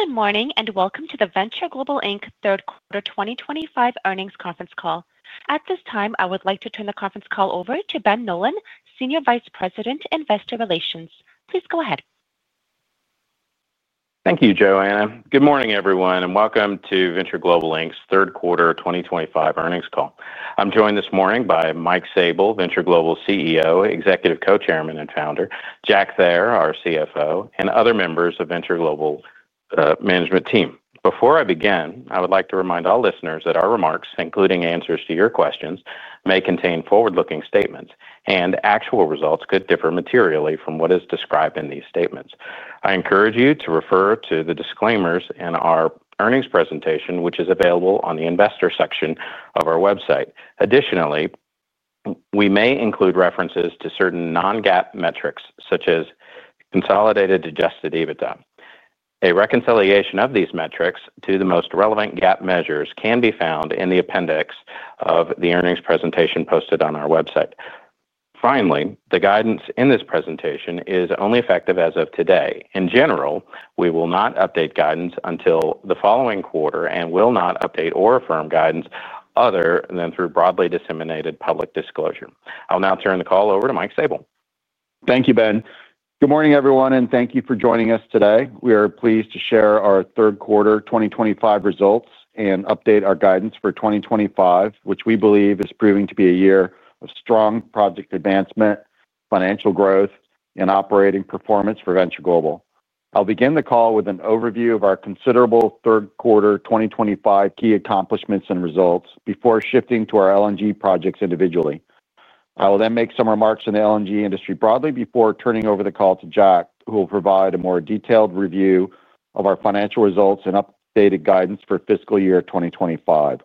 Good morning and welcome to the Venture Global Third Quarter 2025 Earnings Conference Call. At this time, I would like to turn the conference call over to Ben Nolan, Senior Vice President, Investor Relations. Please go ahead. Thank you, Joanna. Good morning, everyone, and welcome to Venture Global LNG's third quarter 2025 earnings call. I'm joined this morning by Mike Sabel, Venture Global CEO, Executive Co-Chairman and Founder, Jack Thayer, our CFO, and other members of the Venture Global management team. Before I begin, I would like to remind all listeners that our remarks, including answers to your questions, may contain forward-looking statements, and actual results could differ materially from what is described in these statements. I encourage you to refer to the disclaimers in our earnings presentation, which is available on the investor section of our website. Additionally, we may include references to certain non-GAAP metrics, such as consolidated adjusted EBITDA. A reconciliation of these metrics to the most relevant GAAP measures can be found in the appendix of the earnings presentation posted on our website. Finally, the guidance in this presentation is only effective as of today. In general, we will not update guidance until the following quarter and will not update or affirm guidance other than through broadly disseminated public disclosure. I'll now turn the call over to Michael Sabel. Thank you, Ben. Good morning, everyone, and thank you for joining us today. We are pleased to share our third quarter 2025 results and update our guidance for 2025, which we believe is proving to be a year of strong project advancement, financial growth, and operating performance for Venture Global. I'll begin the call with an overview of our considerable third quarter 2025 key accomplishments and results before shifting to our LNG projects individually. I will then make some remarks in the LNG industry broadly before turning over the call to Jack, who will provide a more detailed review of our financial results and updated guidance for fiscal year 2025.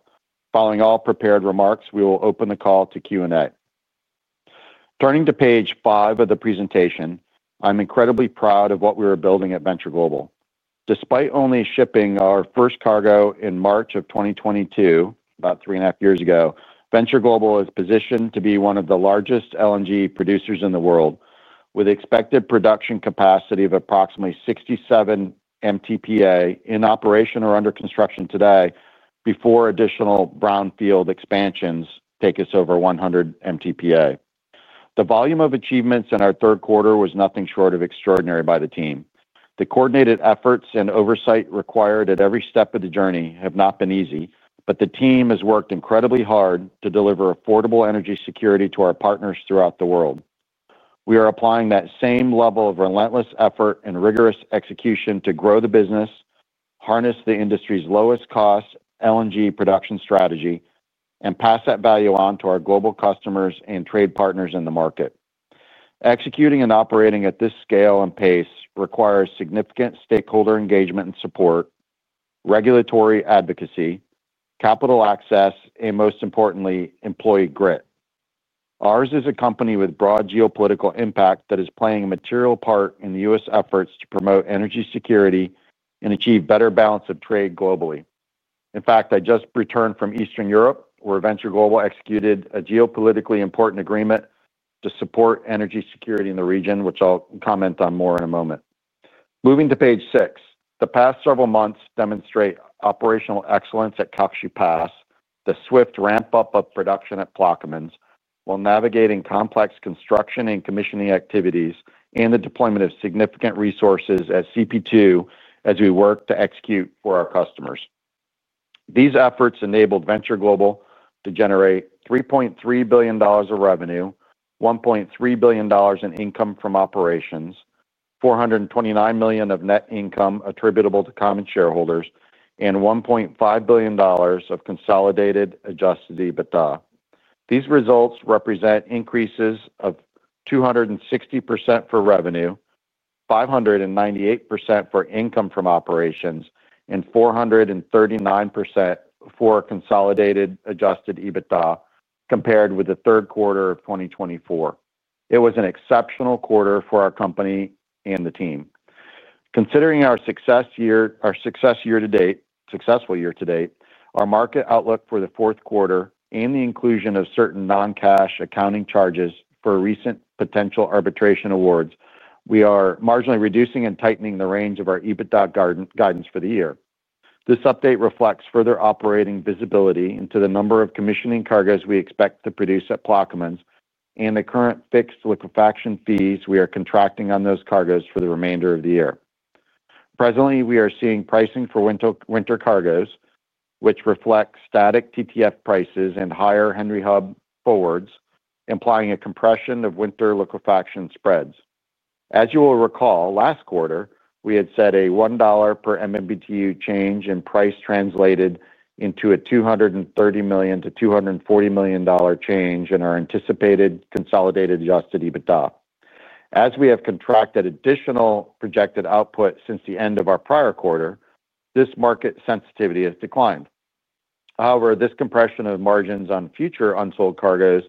Following all prepared remarks, we will open the call to Q&A. Turning to page five of the presentation, I'm incredibly proud of what we are building at Venture Global. Despite only shipping our first cargo in March of 2022, about three and a half years ago, Venture Global is positioned to be one of the largest LNG producers in the world, with expected production capacity of approximately 67 MTPA in operation or under construction today before additional brownfield expansions take us over 100 MTPA. The volume of achievements in our third quarter was nothing short of extraordinary by the team. The coordinated efforts and oversight required at every step of the journey have not been easy, but the team has worked incredibly hard to deliver affordable energy security to our partners throughout the world. We are applying that same level of relentless effort and rigorous execution to grow the business, harness the industry's lowest cost LNG production strategy, and pass that value on to our global customers and trade partners in the market. Executing and operating at this scale and pace requires significant stakeholder engagement and support, regulatory advocacy, capital access, and most importantly, employee grit. Ours is a company with broad geopolitical impact that is playing a material part in the U.S. efforts to promote energy security and achieve better balance of trade globally. In fact, I just returned from Eastern Europe, where Venture Global executed a geopolitically important agreement to support energy security in the region, which I'll comment on more in a moment. Moving to page six, the past several months demonstrate operational excellence at Calcasieu Pass, the swift ramp-up of production at Plaquemines, while navigating complex construction and commissioning activities and the deployment of significant resources at CP2 as we work to execute for our customers. These efforts enabled Venture Global to generate $3.3 billion of revenue, $1.3 billion in income from operations, $429 million of net income attributable to common shareholders, and $1.5 billion of consolidated adjusted EBITDA. These results represent increases of 260% for revenue, 598% for income from operations, and 439% for consolidated adjusted EBITDA compared with the third quarter of 2024. It was an exceptional quarter for our company and the team. Considering our success year to date, our market outlook for the fourth quarter and the inclusion of certain non-cash accounting charges for recent potential arbitration awards, we are marginally reducing and tightening the range of our EBITDA guidance for the year. This update reflects further operating visibility into the number of commissioning cargoes we expect to produce at Plaquemines and the current fixed liquefaction fees we are contracting on those cargoes for the remainder of the year. Presently, we are seeing pricing for winter cargoes, which reflects static TTF prices and higher Henry Hub forwards, implying a compression of winter liquefaction spreads. As you will recall, last quarter, we had set a $1 per MMBTU change in price translated into a $230 million-$240 million change in our anticipated consolidated adjusted EBITDA. As we have contracted additional projected output since the end of our prior quarter, this market sensitivity has declined. However, this compression of margins on future unsold cargoes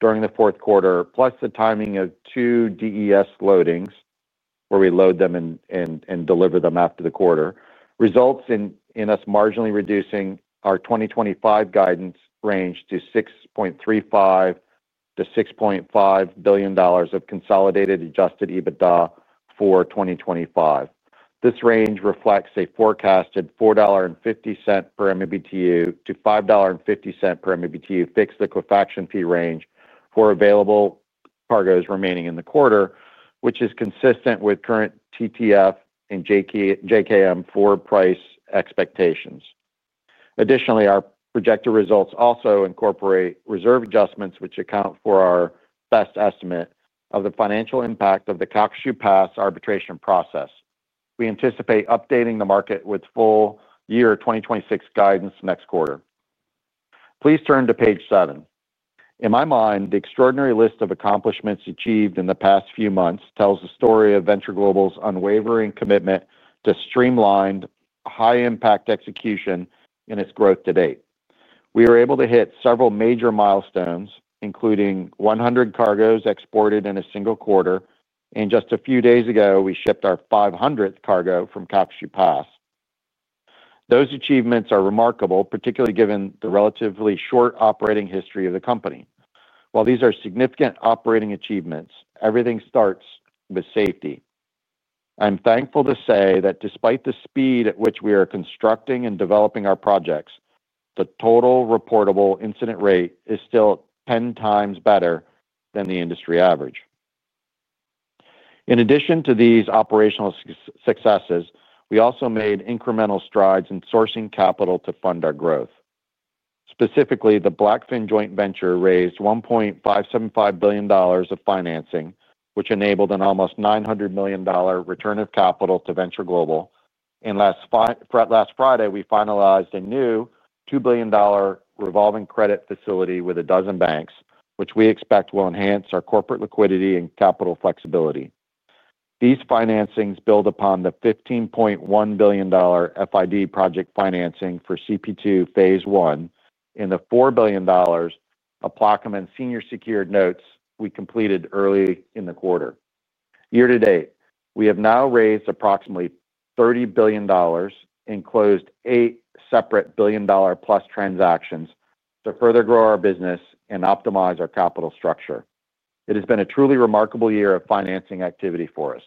during the fourth quarter, plus the timing of two DES loadings, where we load them and deliver them after the quarter, results in us marginally reducing our 2025 guidance range to $6.35 billion-$6.5 billion of consolidated adjusted EBITDA for 2025. This range reflects a forecasted $4.50 per MMBTU-$5.50 per MMBTU fixed liquefaction fee range for available cargoes remaining in the quarter, which is consistent with current TTF and JKM forward price expectations. Additionally, our projected results also incorporate reserve adjustments, which account for our best estimate of the financial impact of the Calcasieu Pass arbitration process. We anticipate updating the market with full year 2026 guidance next quarter. Please turn to page seven. In my mind, the extraordinary list of accomplishments achieved in the past few months tells the story of Venture Global's unwavering commitment to streamlined high-impact execution in its growth to date. We were able to hit several major milestones, including 100 cargoes exported in a single quarter, and just a few days ago, we shipped our 500th cargo from Calcasieu Pass. Those achievements are remarkable, particularly given the relatively short operating history of the company. While these are significant operating achievements, everything starts with safety. I'm thankful to say that despite the speed at which we are constructing and developing our projects, the total reportable incident rate is still 10 times better than the industry average. In addition to these operational successes, we also made incremental strides in sourcing capital to fund our growth. Specifically, the Blackfin Joint Venture raised $1.575 billion of financing, which enabled an almost $900 million return of capital to Venture Global. Last Friday, we finalized a new $2 billion revolving credit facility with a dozen banks, which we expect will enhance our corporate liquidity and capital flexibility. These financings build upon the $15.1 billion FID project financing for CP2 phase one and the $4 billion of Plaquemines senior secured notes we completed early in the quarter. Year to date, we have now raised approximately $30 billion and closed eight separate billion-dollar-plus transactions to further grow our business and optimize our capital structure. It has been a truly remarkable year of financing activity for us.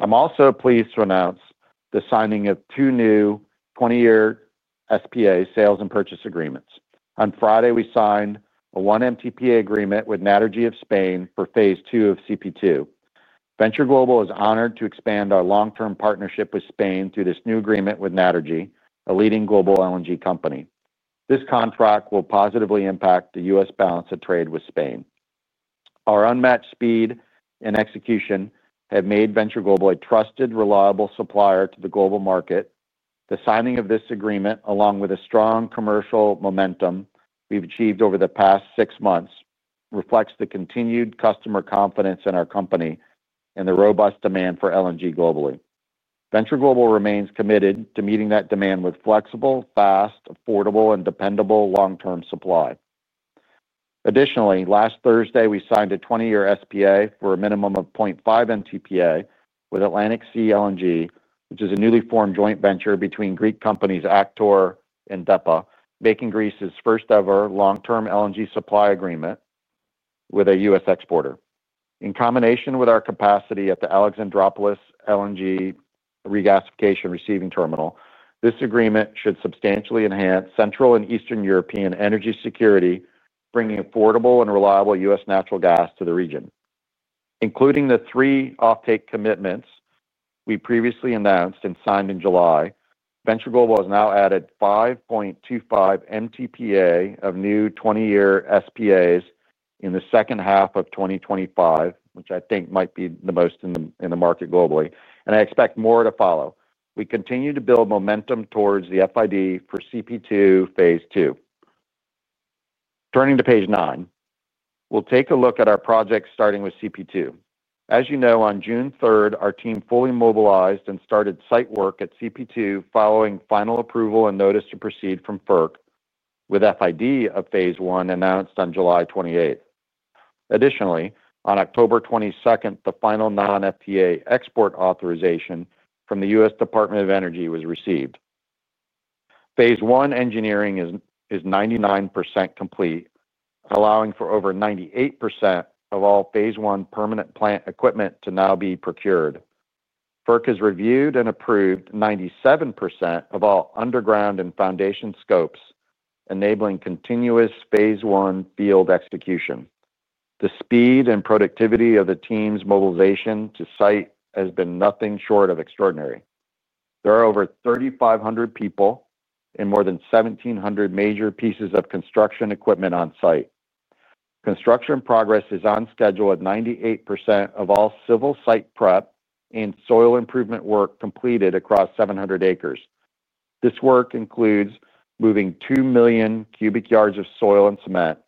I'm also pleased to announce the signing of two new 20-year SPA sales and purchase agreements. On Friday, we signed a one MTPA agreement with Naturgy of Spain for phase two of CP2. Venture Global is honored to expand our long-term partnership with Spain through this new agreement with Naturgy, a leading global LNG company. This contract will positively impact the U.S. balance of trade with Spain. Our unmatched speed and execution have made Venture Global a trusted, reliable supplier to the global market. The signing of this agreement, along with a strong commercial momentum we've achieved over the past six months, reflects the continued customer confidence in our company and the robust demand for LNG globally. Venture Global remains committed to meeting that demand with flexible, fast, affordable, and dependable long-term supply. Additionally, last Thursday, we signed a 20-year SPA for a minimum of 0.5 MTPA with Atlantic Sea LNG, which is a newly formed joint venture between Greek companies Motor Oil and DEPA, making Greece's first-ever long-term LNG supply agreement with a U.S. exporter. In combination with our capacity at the Alexandroupolis LNG regasification receiving terminal, this agreement should substantially enhance Central and Eastern European energy security, bringing affordable and reliable U.S. natural gas to the region. Including the three offtake commitments we previously announced and signed in July, Venture Global has now added 5.25 MTPA of new 20-year SPAs in the second half of 2025, which I think might be the most in the market globally. I expect more to follow. We continue to build momentum towards the FID for CP2 phase two. Turning to page nine, we will take a look at our project starting with CP2. As you know, on June 3rd, our team fully mobilized and started site work at CP2 following final approval and notice to proceed from FERC with FID of phase one announced on July 28th. Additionally, on October 22nd, the final non-FTA export authorization from the U.S. Department of Energy was received. Phase one engineering is 99% complete, allowing for over 98% of all phase one permanent plant equipment to now be procured. FERC has reviewed and approved 97% of all underground and foundation scopes, enabling continuous phase one field execution. The speed and productivity of the team's mobilization to site has been nothing short of extraordinary. There are over 3,500 people and more than 1,700 major pieces of construction equipment on site. Construction progress is on schedule at 98% of all civil site prep and soil improvement work completed across 700 acres. This work includes moving 2 million cubic yards of soil and cement,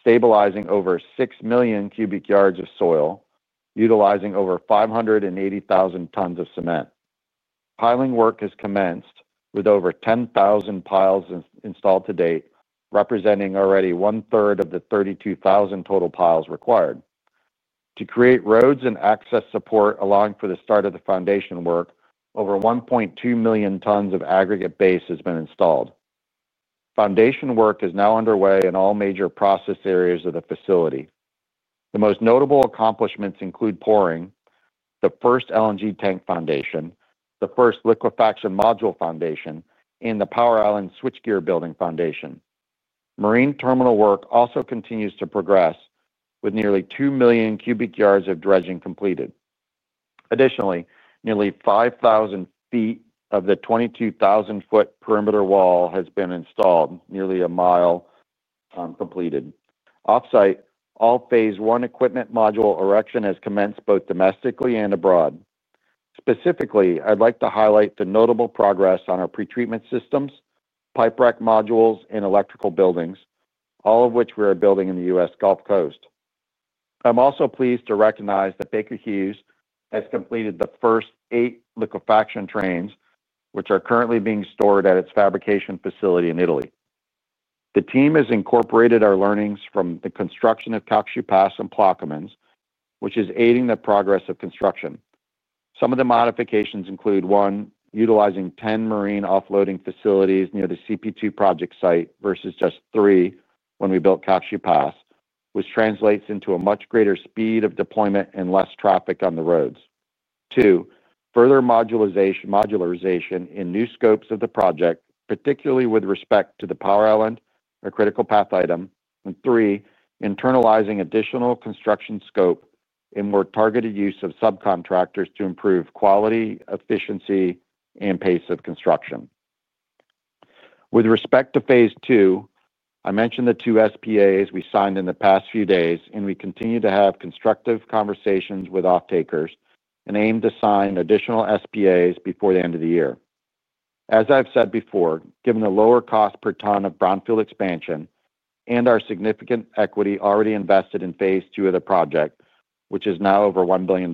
stabilizing over 6 million cubic yards of soil, utilizing over 580,000 tons of cement. Piling work has commenced with over 10,000 piles installed to date, representing already one-third of the 32,000 total piles required. To create roads and access support allowing for the start of the foundation work, over 1.2 million tons of aggregate base has been installed. Foundation work is now underway in all major process areas of the facility. The most notable accomplishments include pouring the first LNG tank foundation, the first liquefaction module foundation, and the Power Island switchgear building foundation. Marine terminal work also continues to progress with nearly 2 million cubic yards of dredging completed. Additionally, nearly 5,000 feet of the 22,000-foot perimeter wall has been installed, nearly a mile completed. Off-site, all phase one equipment module erection has commenced both domestically and abroad. Specifically, I'd like to highlight the notable progress on our pretreatment systems, pipe rack modules, and electrical buildings, all of which we are building in the U.S. Gulf Coast. I'm also pleased to recognize that Baker Hughes has completed the first eight liquefaction trains, which are currently being stored at its fabrication facility in Italy. The team has incorporated our learnings from the construction of Calcasieu Pass and Plaquemines, which is aiding the progress of construction. Some of the modifications include one, utilizing 10 marine offloading facilities near the CP2 project site versus just three when we built Calcasieu Pass, which translates into a much greater speed of deployment and less traffic on the roads. Two, further modularization in new scopes of the project, particularly with respect to the Power Island, a critical path item. Three, internalizing additional construction scope and more targeted use of subcontractors to improve quality, efficiency, and pace of construction. With respect to phase two, I mentioned the two SPAs we signed in the past few days, and we continue to have constructive conversations with off-takers and aim to sign additional SPAs before the end of the year. As I've said before, given the lower cost per ton of brownfield expansion and our significant equity already invested in phase two of the project, which is now over $1 billion,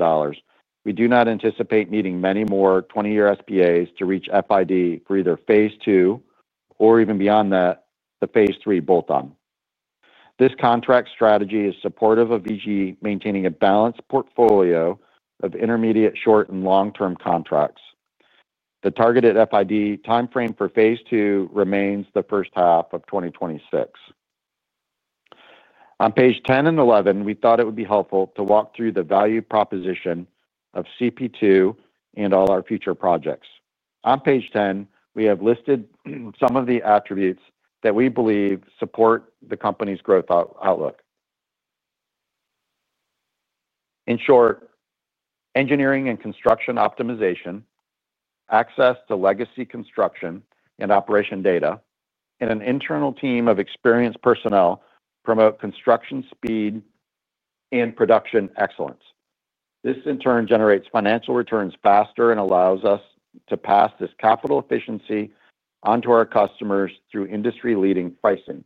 we do not anticipate needing many more 20-year SPAs to reach FID for either phase two or even beyond that, the phase three bolt-on. This contract strategy is supportive of VG maintaining a balanced portfolio of intermediate, short, and long-term contracts. The targeted FID timeframe for phase two remains the first half of 2026. On page 10 and 11, we thought it would be helpful to walk through the value proposition of CP2 and all our future projects. On page 10, we have listed some of the attributes that we believe support the company's growth outlook. In short, engineering and construction optimization, access to legacy construction and operation data, and an internal team of experienced personnel promote construction speed and production excellence. This, in turn, generates financial returns faster and allows us to pass this capital efficiency onto our customers through industry-leading pricing.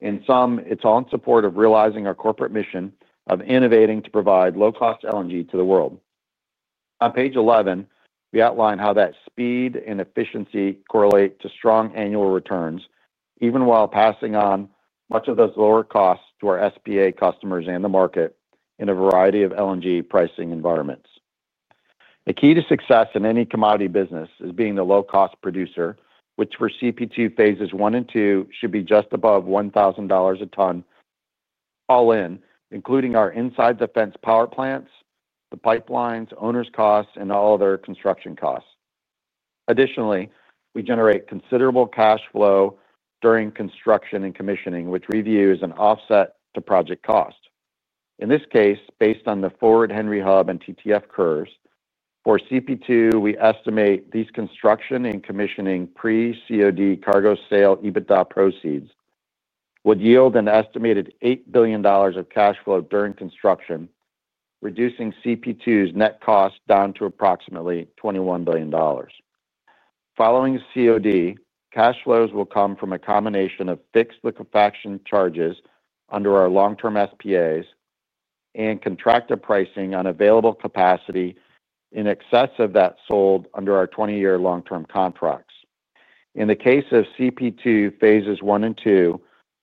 In sum, it's all in support of realizing our corporate mission of innovating to provide low-cost LNG to the world. On page 11, we outline how that speed and efficiency correlate to strong annual returns, even while passing on much of those lower costs to our SPA customers and the market in a variety of LNG pricing environments. The key to success in any commodity business is being the low-cost producer, which for CP2 phases one and two should be just above $1,000 a ton all in, including our inside-defense power plants, the pipelines, owner's costs, and all other construction costs. Additionally, we generate considerable cash flow during construction and commissioning, which we view as an offset to project cost. In this case, based on the forward Henry Hub and TTF curves, for CP2, we estimate these construction and commissioning pre-COD cargo sale EBITDA proceeds would yield an estimated $8 billion of cash flow during construction, reducing CP2's net cost down to approximately $21 billion. Following COD, cash flows will come from a combination of fixed liquefaction charges under our long-term SPAs and contractor pricing on available capacity in excess of that sold under our 20-year long-term contracts. In the case of CP2 phases one and two,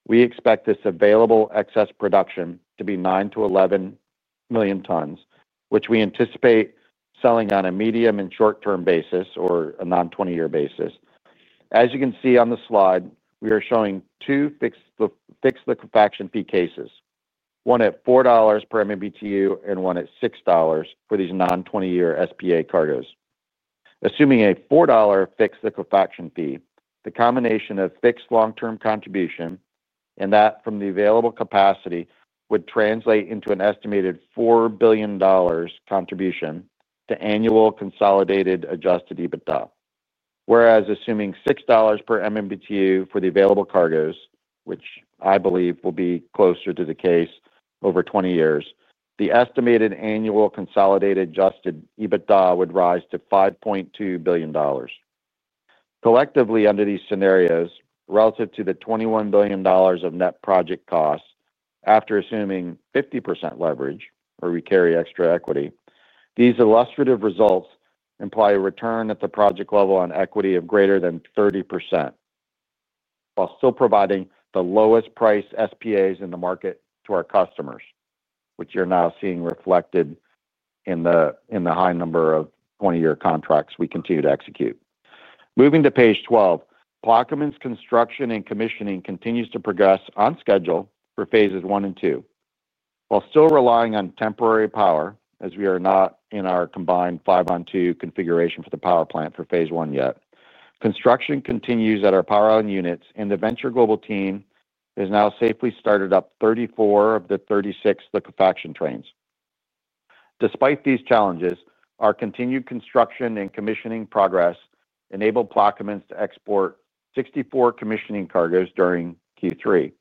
we expect this available excess production to be 9-11 million tons, which we anticipate selling on a medium and short-term basis or a non-20-year basis. As you can see on the slide, we are showing two fixed liquefaction fee cases, one at $4 per MMBTU and one at $6 for these non-20-year SPA cargoes. Assuming a $4 fixed liquefaction fee, the combination of fixed long-term contribution and that from the available capacity would translate into an estimated $4 billion contribution to annual consolidated adjusted EBITDA. Whereas assuming $6 per MMBTU for the available cargoes, which I believe will be closer to the case over 20 years, the estimated annual consolidated adjusted EBITDA would rise to $5.2 billion. Collectively, under these scenarios, relative to the $21 billion of net project costs after assuming 50% leverage, where we carry extra equity, these illustrative results imply a return at the project level on equity of greater than 30% while still providing the lowest price SPAs in the market to our customers, which you're now seeing reflected in the high number of 20-year contracts we continue to execute. Moving to page 12, Plaquemines' construction and commissioning continues to progress on schedule for phases one and two. While still relying on temporary power, as we are not in our combined five-on-two configuration for the power plant for phase one yet, construction continues at our Power Island units, and the Venture Global team has now safely started up 34 of the 36 liquefaction trains. Despite these challenges, our continued construction and commissioning progress enabled Plaquemines to export 64 commissioning cargoes during Q3,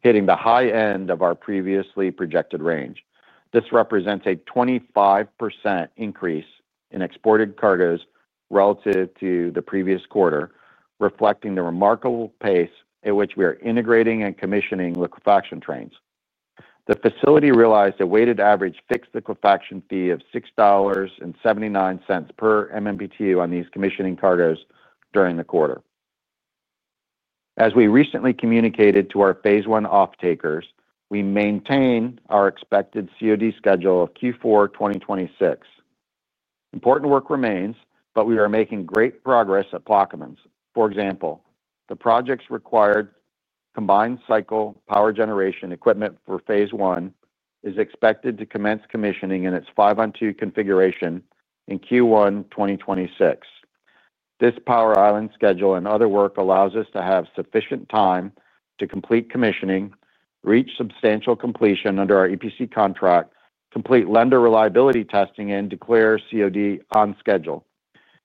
hitting the high end of our previously projected range. This represents a 25% increase in exported cargoes relative to the previous quarter, reflecting the remarkable pace at which we are integrating and commissioning liquefaction trains. The facility realized a weighted average fixed liquefaction fee of $6.79 per MMBTU on these commissioning cargoes during the quarter. As we recently communicated to our phase one off-takers, we maintain our expected COD schedule of Q4 2026. Important work remains, but we are making great progress at Plaquemines. For example, the project's required combined cycle power generation equipment for phase one is expected to commence commissioning in its five-on-two configuration in Q1 2026. This Power Island schedule and other work allows us to have sufficient time to complete commissioning, reach substantial completion under our EPC contract, complete lender reliability testing, and declare COD on schedule.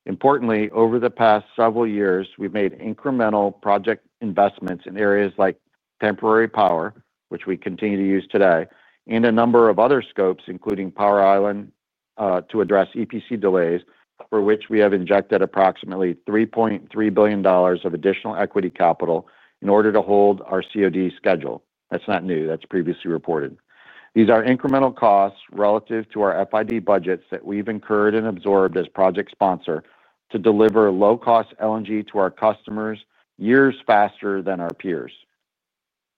Importantly, over the past several years, we've made incremental project investments in areas like temporary power, which we continue to use today, and a number of other scopes, including Power Island, to address EPC delays, for which we have injected approximately $3.3 billion of additional equity capital in order to hold our COD schedule. That's not new. That's previously reported. These are incremental costs relative to our FID budgets that we've incurred and absorbed as project sponsor to deliver low-cost LNG to our customers years faster than our peers.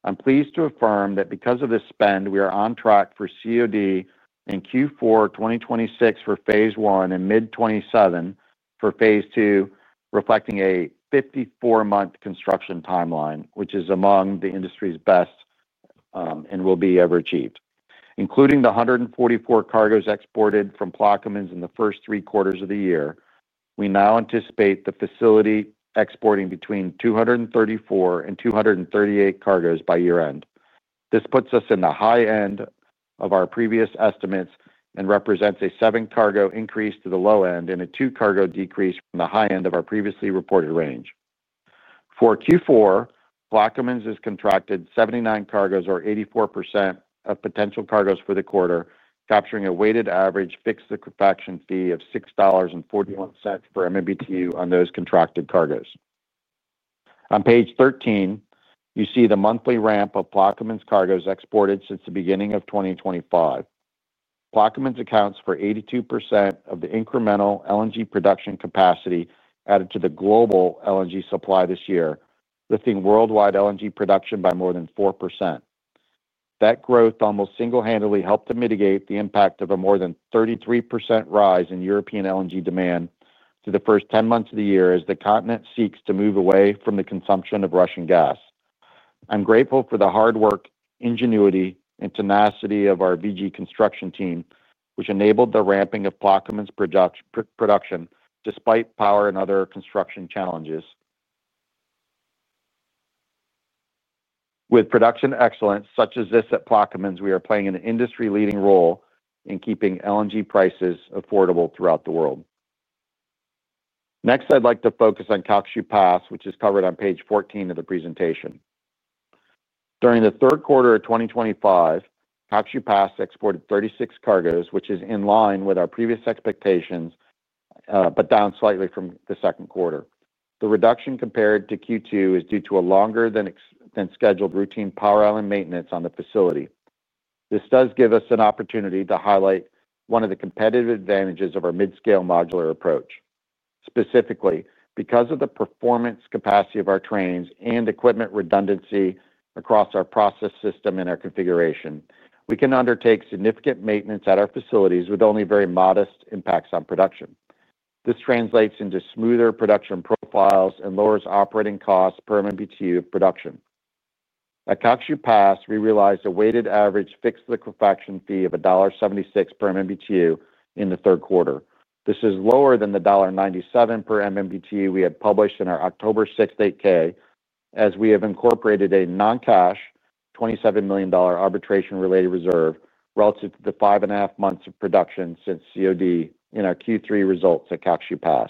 I'm pleased to affirm that because of this spend, we are on track for COD in Q4 2026 for phase one and mid-2027 for phase two, reflecting a 54-month construction timeline, which is among the industry's best and will be ever achieved. Including the 144 cargoes exported from Plaquemines in the first three quarters of the year, we now anticipate the facility exporting between 234-238 cargoes by year-end. This puts us in the high end of our previous estimates and represents a seven-cargo increase to the low end and a two-cargo decrease from the high end of our previously reported range. For Q4, Plaquemines has contracted 79 cargoes, or 84% of potential cargoes for the quarter, capturing a weighted average fixed liquefaction fee of $6.41 per MMBTU on those contracted cargoes. On page 13, you see the monthly ramp of Plaquemines' cargoes exported since the beginning of 2025. Plaquemines accounts for 82% of the incremental LNG production capacity added to the global LNG supply this year, lifting worldwide LNG production by more than 4%. That growth almost single-handedly helped to mitigate the impact of a more than 33% rise in European LNG demand through the first 10 months of the year as the continent seeks to move away from the consumption of Russian gas. I'm grateful for the hard work, ingenuity, and tenacity of our VG construction team, which enabled the ramping of Plaquemines' production despite power and other construction challenges. With production excellence such as this at Plaquemines, we are playing an industry-leading role in keeping LNG prices affordable throughout the world. Next, I'd like to focus on Calcasieu Pass, which is covered on page 14 of the presentation. During the third quarter of 2025, Calcasieu Pass exported 36 cargoes, which is in line with our previous expectations, but down slightly from the second quarter. The reduction compared to Q2 is due to a longer-than-scheduled routine Power Island maintenance on the facility. This does give us an opportunity to highlight one of the competitive advantages of our mid-scale modular approach. Specifically, because of the performance capacity of our trains and equipment redundancy across our process system and our configuration, we can undertake significant maintenance at our facilities with only very modest impacts on production. This translates into smoother production profiles and lowers operating costs per MMBTU of production. At Calcasieu Pass, we realized a weighted average fixed liquefaction fee of $1.76 per MMBTU in the third quarter. This is lower than the $1.97 per MMBTU we had published in our October 6th 8-K, as we have incorporated a non-cash $27 million arbitration-related reserve relative to the five and a half months of production since COD in our Q3 results at Calcasieu Pass.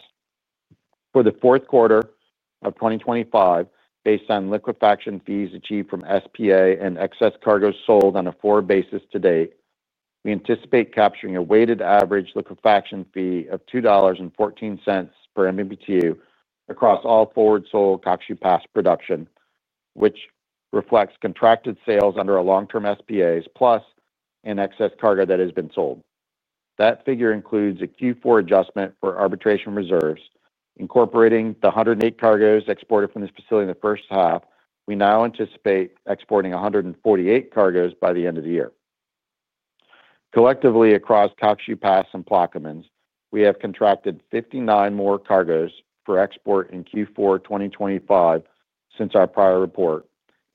For the fourth quarter of 2025, based on liquefaction fees achieved from SPA and excess cargoes sold on a forward basis to date, we anticipate capturing a weighted average liquefaction fee of $2.14 per MMBTU across all forward sold Calcasieu Pass production, which reflects contracted sales under our long-term SPAs, plus an excess cargo that has been sold. That figure includes a Q4 adjustment for arbitration reserves. Incorporating the 108 cargoes exported from this facility in the first half, we now anticipate exporting 148 cargoes by the end of the year. Collectively, across Calcasieu Pass and Plaquemines, we have contracted 59 more cargoes for export in Q4 2025 since our prior report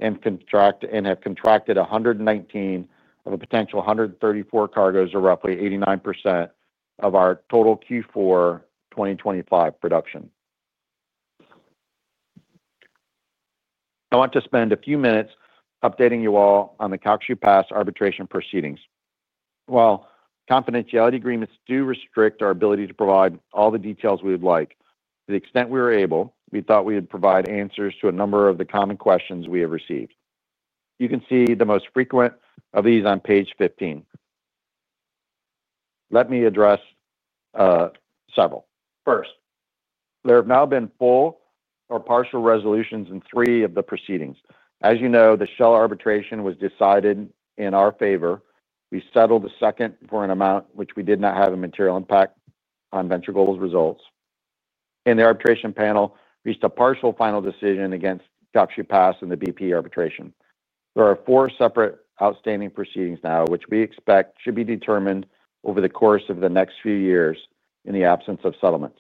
and have contracted 119 of a potential 134 cargoes, or roughly 89% of our total Q4 2025 production. I want to spend a few minutes updating you all on the Calcasieu Pass arbitration proceedings. While confidentiality agreements do restrict our ability to provide all the details we would like, to the extent we were able, we thought we would provide answers to a number of the common questions we have received. You can see the most frequent of these on page 15. Let me address several. First, there have now been full or partial resolutions in three of the proceedings. As you know, the Shell arbitration was decided in our favor. We settled the second for an amount which did not have a material impact on Venture Global's results. The arbitration panel reached a partial final decision against Calcasieu Pass and the BP arbitration. There are four separate outstanding proceedings now, which we expect should be determined over the course of the next few years in the absence of settlements.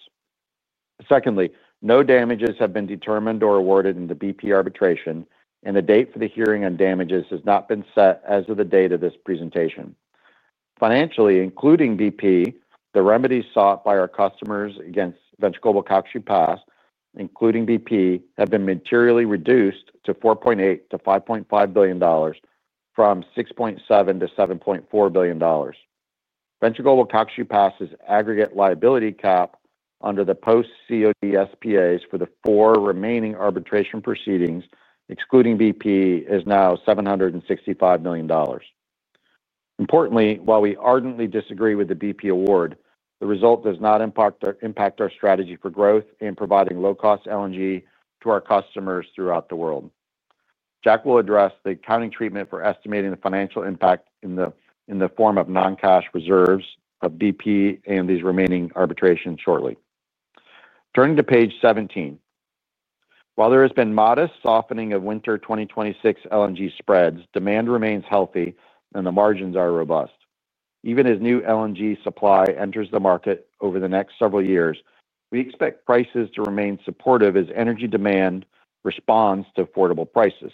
Secondly, no damages have been determined or awarded in the BP arbitration, and the date for the hearing on damages has not been set as of the date of this presentation. Financially, including BP, the remedies sought by our customers against Venture Global Calcasieu Pass, including BP, have been materially reduced to $4.8 billion-$5.5 billion, from $6.7 billion-$7.4 billion. Venture Global Calcasieu Pass's aggregate liability cap under the post-COD SPAs for the four remaining arbitration proceedings, excluding BP, is now $765 million. Importantly, while we ardently disagree with the BP award, the result does not impact our strategy for growth in providing low-cost LNG to our customers throughout the world. Jack will address the accounting treatment for estimating the financial impact in the form of non-cash reserves of BP and these remaining arbitrations shortly. Turning to page 17, while there has been modest softening of winter 2026 LNG spreads, demand remains healthy and the margins are robust. Even as new LNG supply enters the market over the next several years, we expect prices to remain supportive as energy demand responds to affordable prices.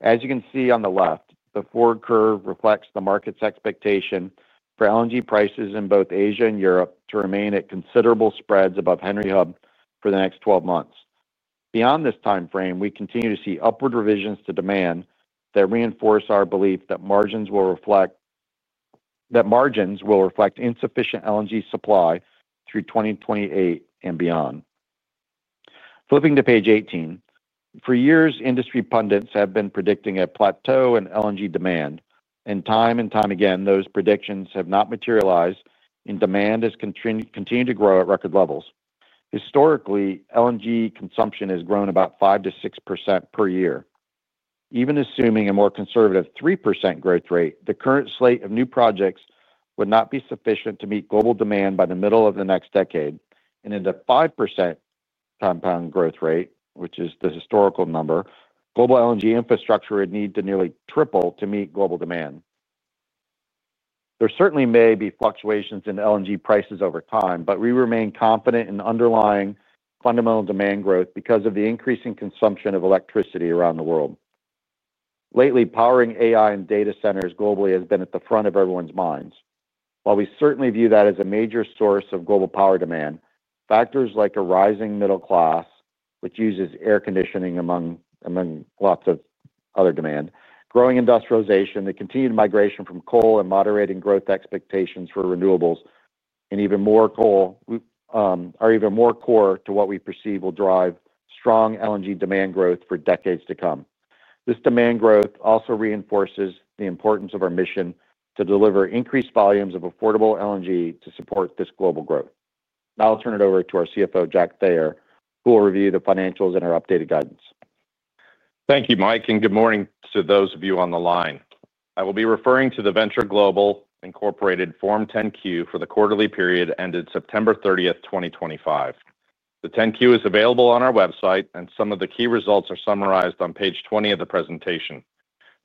As you can see on the left, the forward curve reflects the market's expectation for LNG prices in both Asia and Europe to remain at considerable spreads above Henry Hub for the next 12 months. Beyond this timeframe, we continue to see upward revisions to demand that reinforce our belief that margins will reflect insufficient LNG supply through 2028 and beyond. Flipping to page 18, for years, industry pundits have been predicting a plateau in LNG demand, and time and time again, those predictions have not materialized, and demand has continued to grow at record levels. Historically, LNG consumption has grown about 5% to 6% per year. Even assuming a more conservative 3% growth rate, the current slate of new projects would not be sufficient to meet global demand by the middle of the next decade, and in the 5% compound growth rate, which is the historical number, global LNG infrastructure would need to nearly triple to meet global demand. There certainly may be fluctuations in LNG prices over time, but we remain confident in underlying fundamental demand growth because of the increasing consumption of electricity around the world. Lately, powering AI and data centers globally has been at the front of everyone's minds. While we certainly view that as a major source of global power demand, factors like a rising middle class, which uses air conditioning among lots of other demand, growing industrialization, the continued migration from coal, and moderating growth expectations for renewables, and even more coal are even more core to what we perceive will drive strong LNG demand growth for decades to come. This demand growth also reinforces the importance of our mission to deliver increased volumes of affordable LNG to support this global growth. Now I'll turn it over to our CFO, Jack Thayer, who will review the financials and our updated guidance. Thank you, Mike, and good morning to those of you on the line. I will be referring to the Venture Global Form 10-Q for the quarterly period ended September 30, 2025. The 10-Q is available on our website, and some of the key results are summarized on page 20 of the presentation.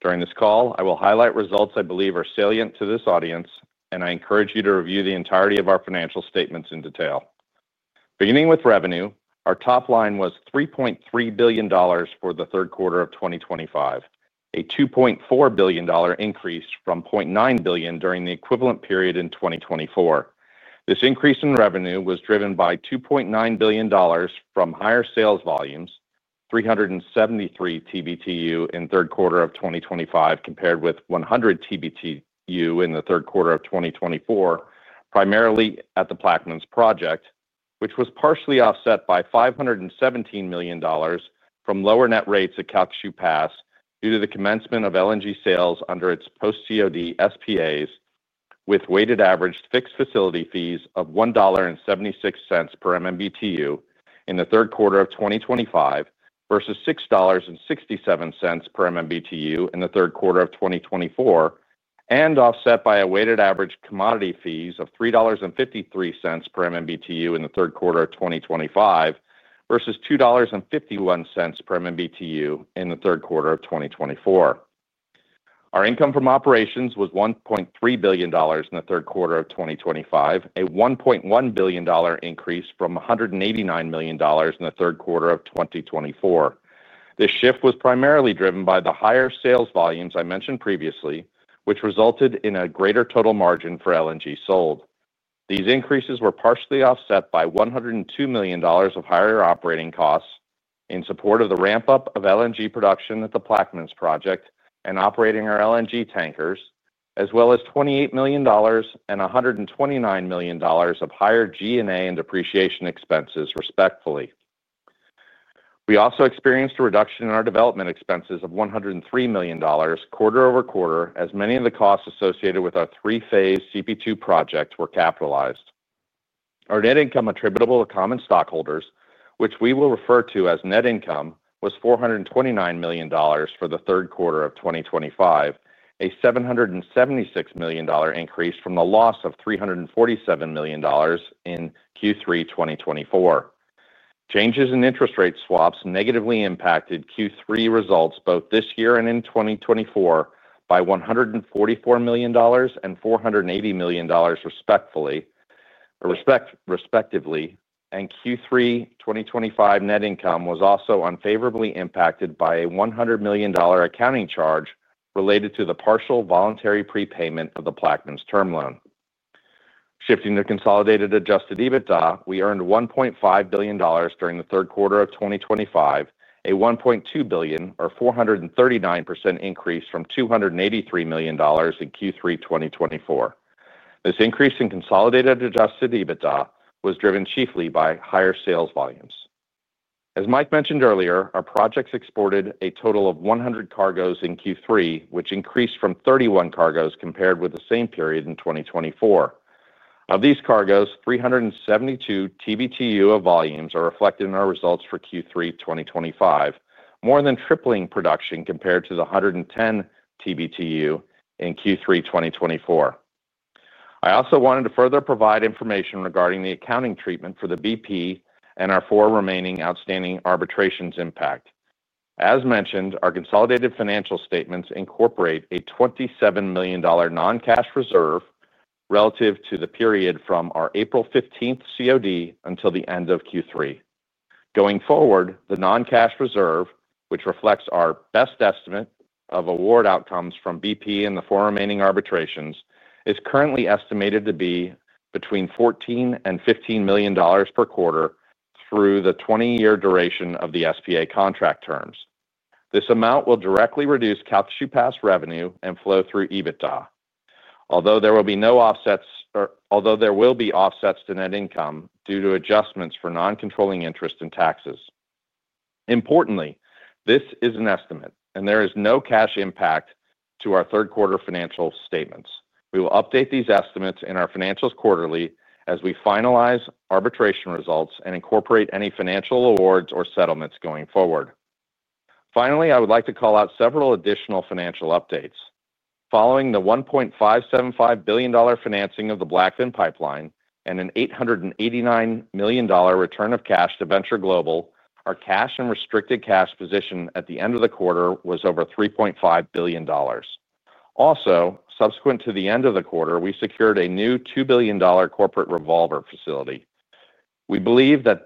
During this call, I will highlight results I believe are salient to this audience, and I encourage you to review the entirety of our financial statements in detail. Beginning with revenue, our top line was $3.3 billion for the third quarter of 2025, a $2.4 billion increase from $0.9 billion during the equivalent period in 2024. This increase in revenue was driven by $2.9 billion from higher sales volumes, 373 TBTU in third quarter of 2025, compared with 100 TBTU in the third quarter of 2024, primarily at the Plaquemines project, which was partially offset by $517 million from lower net rates at Calcasieu Pass due to the commencement of LNG sales under its post-COD SPAs with weighted average fixed facility fees of $1.76 per MMBTU in the third quarter of 2025 versus $6.67 per MMBTU in the third quarter of 2024, and offset by a weighted average commodity fees of $3.53 per MMBTU in the third quarter of 2025 versus $2.51 per MMBTU in the third quarter of 2024. Our income from operations was $1.3 billion in the third quarter of 2025, a $1.1 billion increase from $189 million in the third quarter of 2024. This shift was primarily driven by the higher sales volumes I mentioned previously, which resulted in a greater total margin for LNG sold. These increases were partially offset by $102 million of higher operating costs in support of the ramp-up of LNG production at the Plaquemines project and operating our LNG tankers, as well as $28 million and $129 million of higher G&A and depreciation expenses, respectively. We also experienced a reduction in our development expenses of $103 million quarter over quarter as many of the costs associated with our three-phase CP2 project were capitalized. Our net income attributable to common stockholders, which we will refer to as net income, was $429 million for the third quarter of 2025, a $776 million increase from the loss of $347 million in Q3 2024. Changes in interest rate swaps negatively impacted Q3 results both this year and in 2024 by $144 million and $480 million, respectively, and Q3 2025 net income was also unfavorably impacted by a $100 million accounting charge related to the partial voluntary prepayment of the Plaquemines term loan. Shifting to consolidated adjusted EBITDA, we earned $1.5 billion during the third quarter of 2025, a $1.2 billion, or 439% increase from $283 million in Q3 2024. This increase in consolidated adjusted EBITDA was driven chiefly by higher sales volumes. As Mike Sabel mentioned earlier, our projects exported a total of 100 cargoes in Q3, which increased from 31 cargoes compared with the same period in 2024. Of these cargoes, 372 TBTU of volumes are reflected in our results for Q3 2025, more than tripling production compared to the 110 TBTU in Q3 2024. I also wanted to further provide information regarding the accounting treatment for the BP and our four remaining outstanding arbitrations impact. As mentioned, our consolidated financial statements incorporate a $27 million non-cash reserve relative to the period from our April 15th COD until the end of Q3. Going forward, the non-cash reserve, which reflects our best estimate of award outcomes from BP and the four remaining arbitrations, is currently estimated to be between $14-$15 million per quarter through the 20-year duration of the SPA contract terms. This amount will directly reduce Calcasieu Pass revenue and flow through EBITDA, although there will be no offsets to net income due to adjustments for non-controlling interest and taxes. Importantly, this is an estimate, and there is no cash impact to our third quarter financial statements. We will update these estimates in our financials quarterly as we finalize arbitration results and incorporate any financial awards or settlements going forward. Finally, I would like to call out several additional financial updates. Following the $1.575 billion financing of the Blackfin pipeline and an $889 million return of cash to Venture Global, our cash and restricted cash position at the end of the quarter was over $3.5 billion. Also, subsequent to the end of the quarter, we secured a new $2 billion corporate revolver facility. We believe that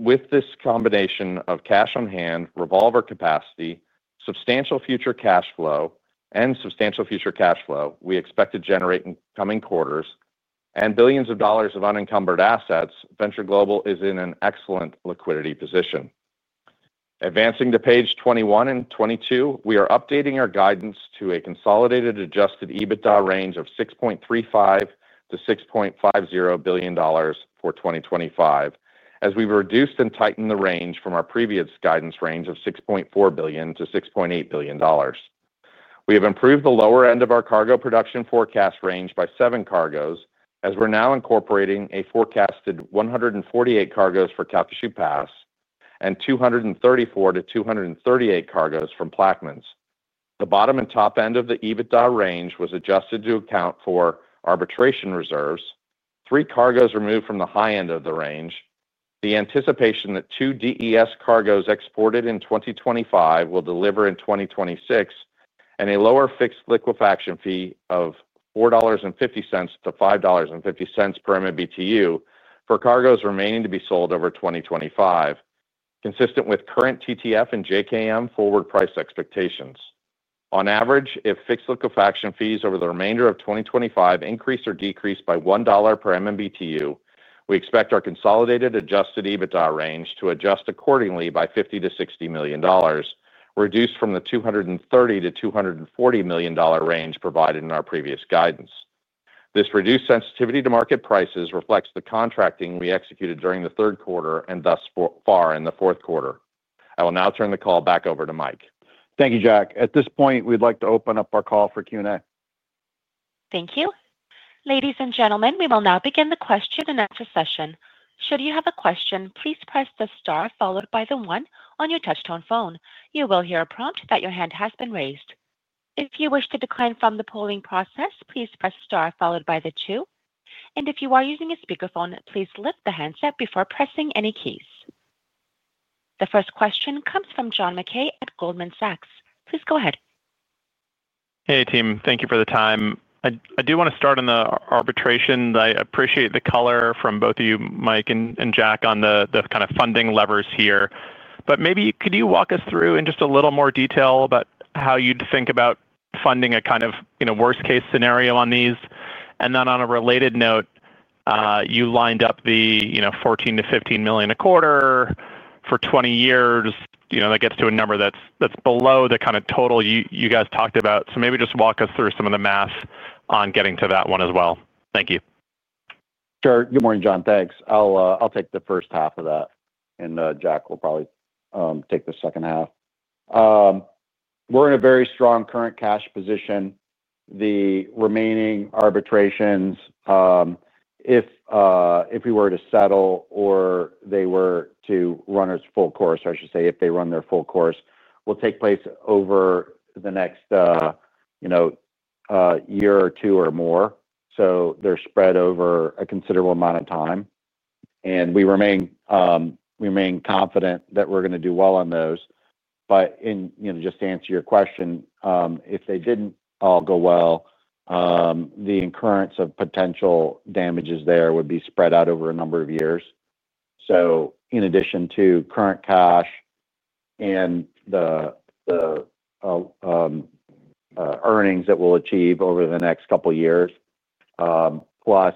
with this combination of cash on hand, revolver capacity, substantial future cash flow, and substantial future cash flow we expect to generate in coming quarters, and billions of dollars of unencumbered assets, Venture Global is in an excellent liquidity position. Advancing to page 21 and 22, we are updating our guidance to a consolidated adjusted EBITDA range of $6.35 billion-$6.50 billion for 2025, as we've reduced and tightened the range from our previous guidance range of $6.4 billion-$6.8 billion. We have improved the lower end of our cargo production forecast range by seven cargoes, as we're now incorporating a forecasted 148 cargoes for Calcasieu Pass and 234-238 cargoes from Plaquemines. The bottom and top end of the EBITDA range was adjusted to account for arbitration reserves, three cargoes removed from the high end of the range, the anticipation that two DES cargoes exported in 2025 will deliver in 2026, and a lower fixed liquefaction fee of $4.50-$5.50 per MMBTU for cargoes remaining to be sold over 2025, consistent with current TTF and JKM forward price expectations. On average, if fixed liquefaction fees over the remainder of 2025 increase or decrease by $1 per MMBTU, we expect our consolidated adjusted EBITDA range to adjust accordingly by $50 million-$60 million, reduced from the $230 million-$240 million range provided in our previous guidance. This reduced sensitivity to market prices reflects the contracting we executed during the third quarter and thus far in the fourth quarter. I will now turn the call back over to Mike. Thank you, Jack. At this point, we'd like to open up our call for Q&A. Thank you. Ladies and gentlemen, we will now begin the question and answer session. Should you have a question, please press the star followed by the one on your touchstone phone. You will hear a prompt that your hand has been raised. If you wish to decline from the polling process, please press star followed by the two. If you are using a speakerphone, please lift the handset before pressing any keys. The first question comes from John Mackay at Goldman Sachs. Please go ahead. Hey, team. Thank you for the time. I do want to start on the arbitration. I appreciate the color from both of you, Mike and Jack, on the kind of funding levers here. Maybe could you walk us through in just a little more detail about how you'd think about funding a kind of worst-case scenario on these? On a related note, you lined up the $14-$15 million a quarter for 20 years. That gets to a number that's below the kind of total you guys talked about. Maybe just walk us through some of the math on getting to that one as well. Thank you. Sure. Good morning, John. Thanks. I'll take the first half of that, and Jack will probably take the second half. We're in a very strong current cash position. The remaining arbitrations, if we were to settle or they were to run its full course, I should say, if they run their full course, will take place over the next year or two or more. They are spread over a considerable amount of time. We remain confident that we're going to do well on those. Just to answer your question, if they did not all go well, the incurrence of potential damages there would be spread out over a number of years. In addition to current cash and the earnings that we'll achieve over the next couple of years, plus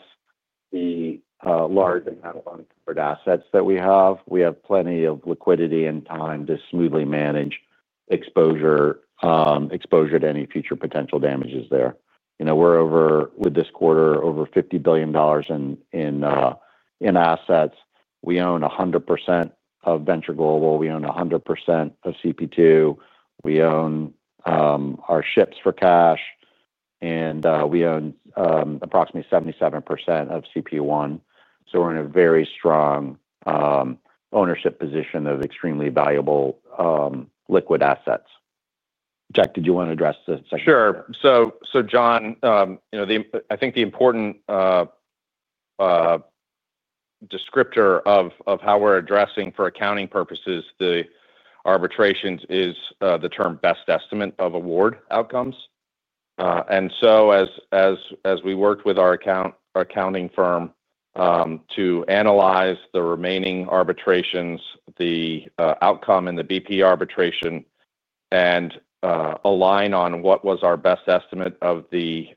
the large amount of unencumbered assets that we have, we have plenty of liquidity and time to smoothly manage exposure to any future potential damages there. We're over, with this quarter, over $50 billion in assets. We own 100% of Venture Global. We own 100% of CP2. We own our ships for cash, and we own approximately 77% of CP1. We're in a very strong ownership position of extremely valuable liquid assets. Jack, did you want to address the second question? Sure. John, I think the important descriptor of how we're addressing for accounting purposes the arbitrations is the term best estimate of award outcomes. As we worked with our accounting firm to analyze the remaining arbitrations, the outcome in the BP arbitration, and align on what was our best estimate of the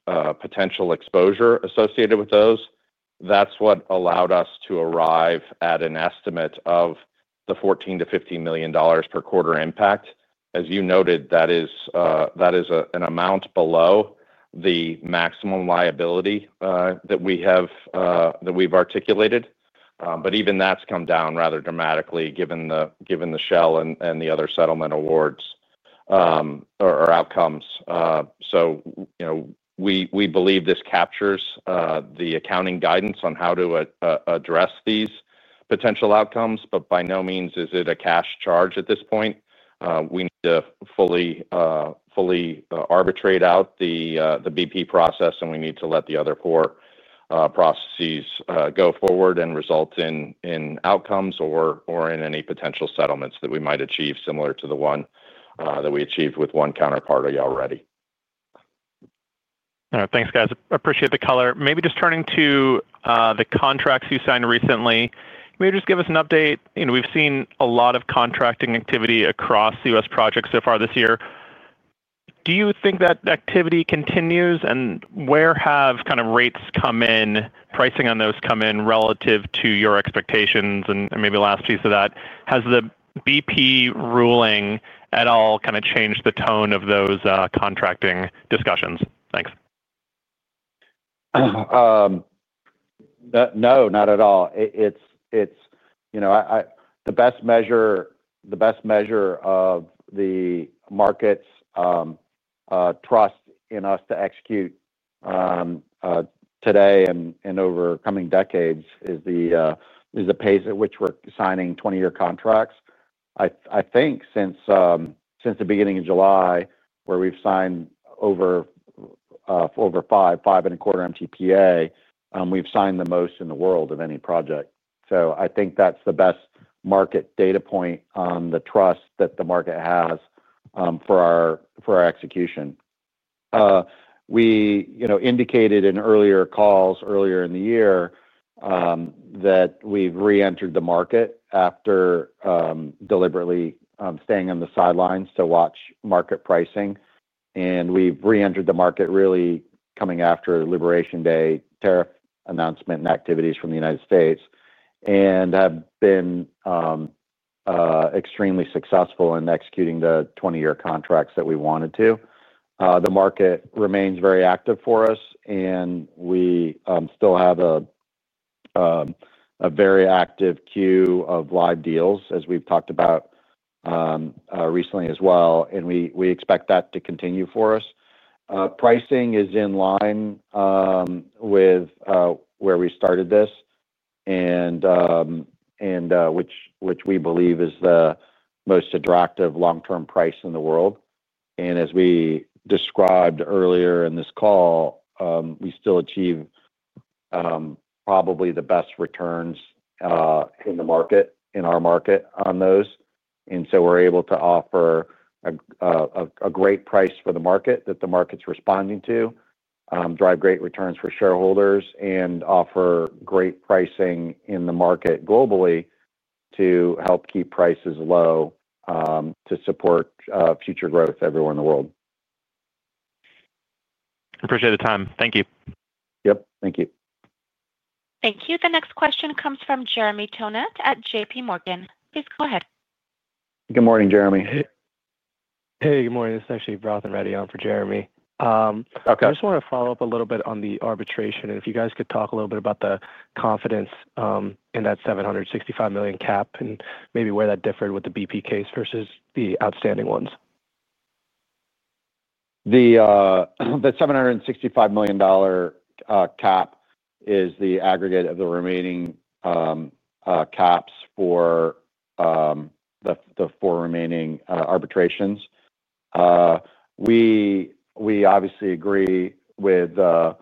potential exposure associated with those, that's what allowed us to arrive at an estimate of the $14-$15 million per quarter impact. As you noted, that is an amount below the maximum liability that we have articulated. Even that's come down rather dramatically given the Shell and the other settlement awards or outcomes. We believe this captures the accounting guidance on how to address these potential outcomes, but by no means is it a cash charge at this point. We need to fully arbitrate out the BP process, and we need to let the other four processes go forward and result in outcomes or in any potential settlements that we might achieve similar to the one that we achieved with one counterparty already. All right. Thanks, guys. Appreciate the color. Maybe just turning to the contracts you signed recently, maybe just give us an update. We've seen a lot of contracting activity across the U.S. projects so far this year. Do you think that activity continues, and where have kind of rates come in, pricing on those come in relative to your expectations? Maybe last piece of that, has the BP ruling at all kind of changed the tone of those contracting discussions? Thanks. No, not at all. It's the best measure of the market's trust in us to execute today and over coming decades is the pace at which we're signing 20-year contracts. I think since the beginning of July, where we've signed over 5.25 MTPA, we've signed the most in the world of any project. I think that's the best market data point on the trust that the market has for our execution. We indicated in earlier calls earlier in the year that we've re-entered the market after deliberately staying on the sidelines to watch market pricing. We've re-entered the market really coming after Liberation Day tariff announcement and activities from the United States and have been extremely successful in executing the 20-year contracts that we wanted to. The market remains very active for us, and we still have a very active queue of live deals, as we've talked about recently as well. We expect that to continue for us. Pricing is in line with where we started this, which we believe is the most attractive long-term price in the world. As we described earlier in this call, we still achieve probably the best returns in the market, in our market on those. We are able to offer a great price for the market that the market's responding to, drive great returns for shareholders, and offer great pricing in the market globally to help keep prices low to support future growth everywhere in the world. Appreciate the time. Thank you. Yep. Thank you. Thank you. The next question comes from Rohith Reddy at JP Morgan. Please go ahead. Good morning, Jeremy. Hey. Hey. Good morning. This is actually Rohith Reddy on for Jeremy. I just want to follow up a little bit on the arbitration. If you guys could talk a little bit about the confidence in that $765 million cap and maybe where that differed with the BP case versus the outstanding ones. The $765 million cap is the aggregate of the remaining caps for the four remaining arbitrations. We obviously agree with the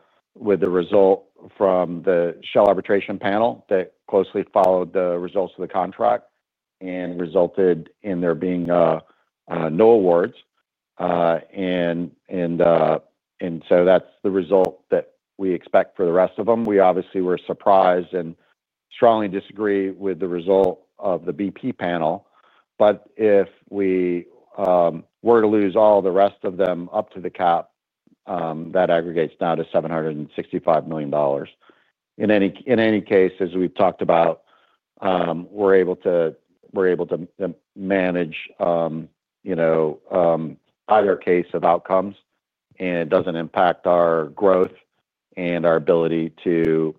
result from the Shell arbitration panel that closely followed the results of the contract and resulted in there being no awards. That is the result that we expect for the rest of them. We obviously were surprised and strongly disagree with the result of the BP panel. If we were to lose all the rest of them up to the cap, that aggregates down to $765 million. In any case, as we've talked about, we're able to manage either case of outcomes, and it doesn't impact our growth and our ability to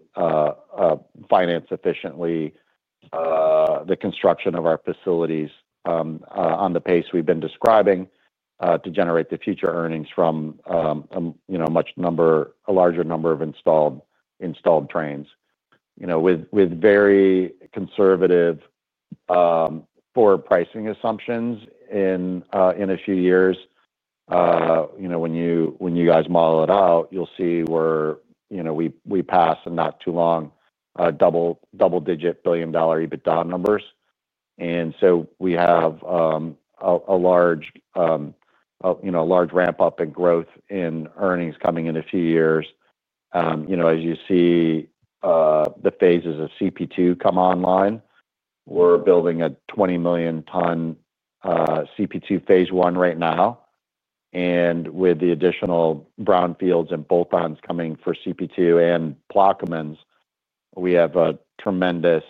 finance efficiently the construction of our facilities on the pace we've been describing to generate the future earnings from a larger number of installed trains. With very conservative forward pricing assumptions in a few years, when you guys model it out, you'll see where we pass in not too long double-digit billion-dollar EBITDA numbers. We have a large ramp-up and growth in earnings coming in a few years. As you see the phases of CP2 come online, we're building a 20 million-ton CP2 phase one right now. With the additional brownfields and bolt-ons coming for CP2 and Plaquemines, we have tremendous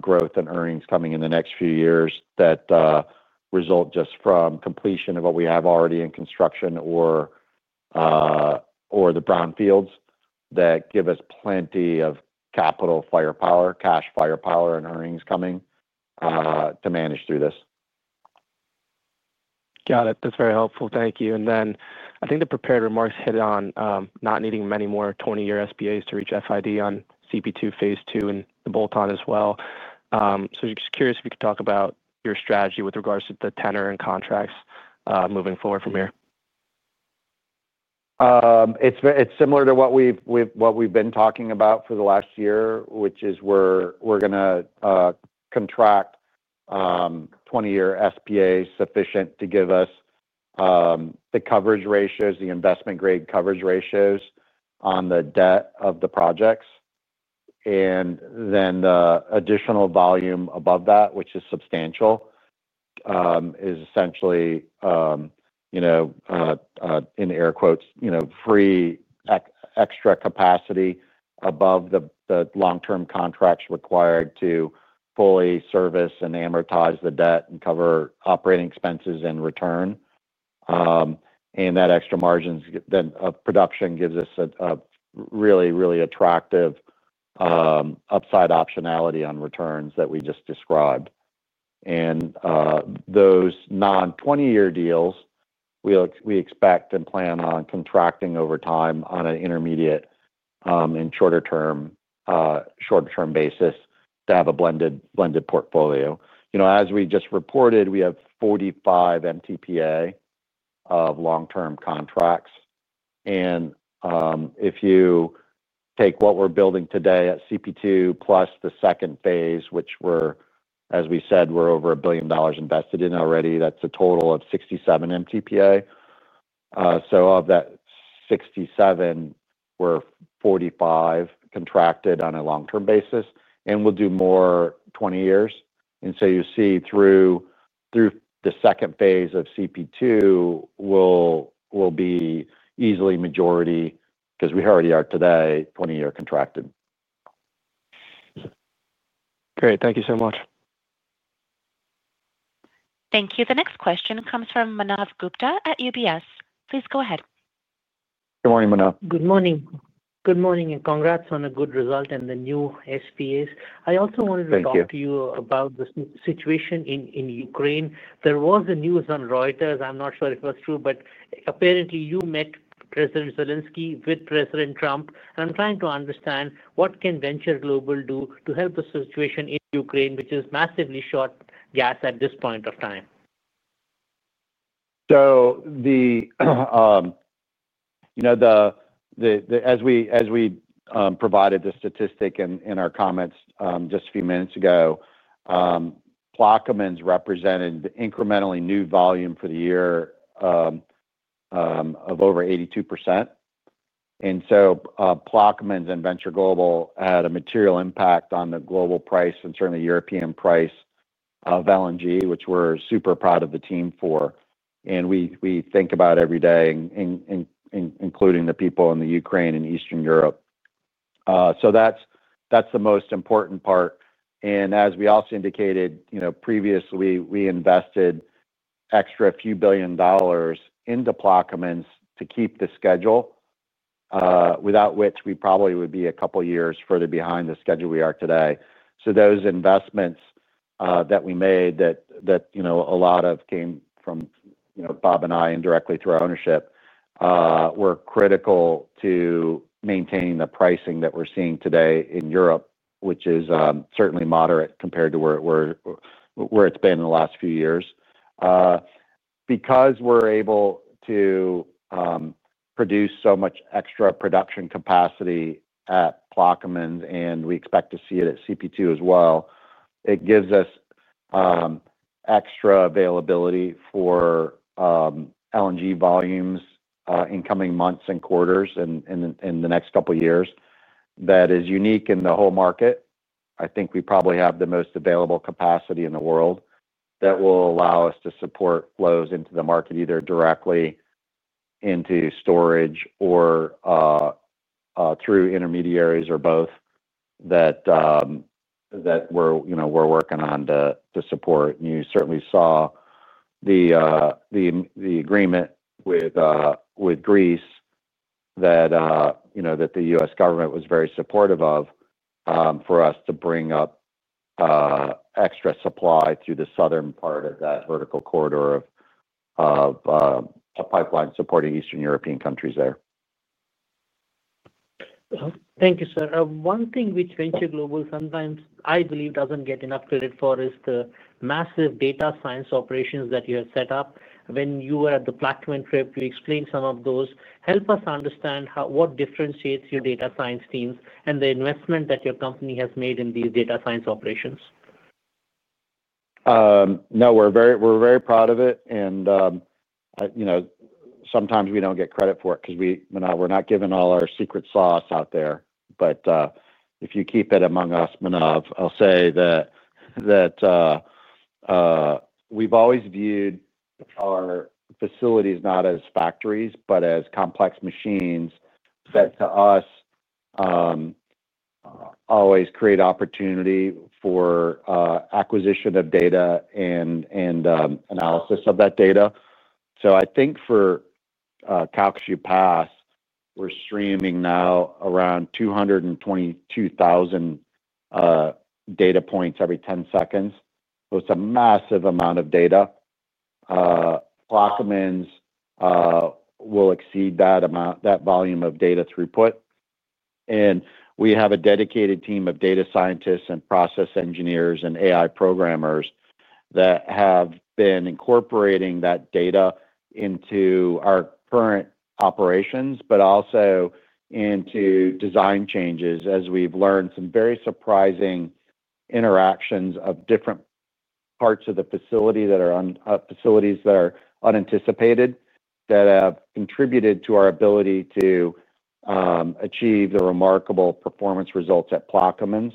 growth in earnings coming in the next few years that result just from completion of what we have already in construction or the brownfields that give us plenty of capital firepower, cash firepower, and earnings coming to manage through this. Got it. That's very helpful. Thank you. I think the prepared remarks hit on not needing many more 20-year SPAs to reach FID on CP2 phase two and the bolt-on as well. Just curious if you could talk about your strategy with regards to the tenor and contracts moving forward from here. It's similar to what we've been talking about for the last year, which is we're going to contract 20-year SPAs sufficient to give us the coverage ratios, the investment-grade coverage ratios on the debt of the projects. The additional volume above that, which is substantial, is essentially, in air quotes, free extra capacity above the long-term contracts required to fully service and amortize the debt and cover operating expenses and return. That extra margin of production gives us a really, really attractive upside optionality on returns that we just described. Those non-20-year deals, we expect and plan on contracting over time on an intermediate and shorter-term basis to have a blended portfolio. As we just reported, we have 45 MTPA of long-term contracts. If you take what we are building today at CP2 plus the second phase, which, as we said, we are over $1 billion invested in already, that is a total of 67 MTPA. Of that 67, we are 45 contracted on a long-term basis. We will do more 20 years. You see through the second phase of CP2, we'll be easily majority because we already are today 20-year contracted. Great. Thank you so much. Thank you. The next question comes from Manav Gupta at UBS. Please go ahead. Good morning, Manav. Good morning. Good morning and congrats on a good result and the new SPAs. I also wanted to talk to you about the situation in Ukraine. There was a news on Reuters. I'm not sure if it was true, but apparently you met President Zelensky with President Trump. I'm trying to understand what can Venture Global do to help the situation in Ukraine, which is massively short gas at this point of time. As we provided the statistic in our comments just a few minutes ago, Plaquemines represented incrementally new volume for the year of over 82%. Plaquemines and Venture Global had a material impact on the global price and certainly European price of LNG, which we're super proud of the team for. We think about every day, including the people in Ukraine and Eastern Europe. That's the most important part. As we also indicated previously, we invested extra a few billion dollars into Plaquemines to keep the schedule, without which we probably would be a couple of years further behind the schedule we are today. Those investments that we made that a lot of came from Bob and I indirectly through our ownership were critical to maintaining the pricing that we're seeing today in Europe, which is certainly moderate compared to where it's been in the last few years. Because we're able to produce so much extra production capacity at Plaquemines and we expect to see it at CP2 as well, it gives us extra availability for LNG volumes in coming months and quarters and in the next couple of years that is unique in the whole market. I think we probably have the most available capacity in the world that will allow us to support flows into the market either directly into storage or through intermediaries or both that we're working on to support. You certainly saw the agreement with Greece that the U.S. government was very supportive of for us to bring up extra supply to the southern part of that vertical corridor of pipeline supporting Eastern European countries there. Thank you, sir. One thing which Venture Global sometimes, I believe, doesn't get enough credit for is the massive data science operations that you have set up. When you were at the platform trip, you explained some of those. Help us understand what differentiates your data science teams and the investment that your company has made in these data science operations. No, we're very proud of it. Sometimes we don't get credit for it because we're not giving all our secret sauce out there. If you keep it among us, Manav, I'll say that we've always viewed our facilities not as factories, but as complex machines that to us always create opportunity for acquisition of data and analysis of that data. I think for Calcasieu Pass, we're streaming now around 222,000 data points every 10 seconds. It's a massive amount of data. Plaquemines will exceed that volume of data throughput. We have a dedicated team of data scientists and process engineers and AI programmers that have been incorporating that data into our current operations, but also into design changes as we've learned some very surprising interactions of different parts of the facility that are unanticipated that have contributed to our ability to achieve the remarkable performance results at Plaquemines